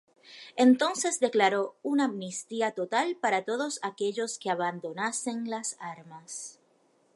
Entonces declaró una amnistía total para todos aquellos que abandonasen las armas.